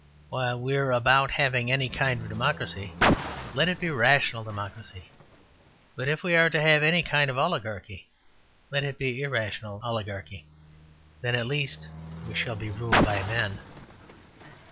While we are about having any kind of democracy, let it be rational democracy. But if we are to have any kind of oligarchy, let it be irrational oligarchy. Then at least we shall be ruled by men.